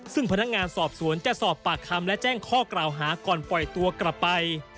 ซึ่งพนักงานสอบสวนจะสอบปากคำและแจ้งข้อกล่าวหาก่อนปล่อยตัวกลับไป